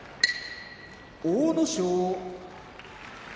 阿武咲